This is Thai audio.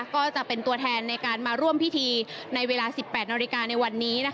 ก็จะเป็นตัวแทนในการมาร่วมพิธีในเวลา๑๘นาฬิกาในวันนี้